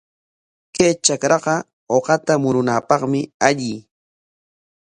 Kay trakraqa uqata murunapaqmi alli.